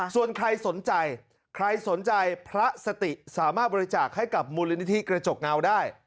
ส่วนใครสนใจใครสนใจพระสติสามารถบริจาคให้กับมูลนิธิกระจกเงาได้